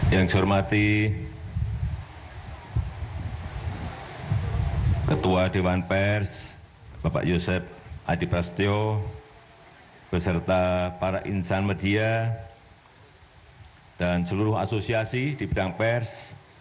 yang saya hormati ketua dewan pers bapak yosep adi prasetyo beserta para insan media dan seluruh asosiasi di bidang pers